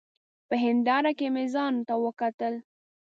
په هېنداره کي مي ځانته وکتل !